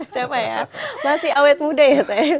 siapa ya masih awet muda ya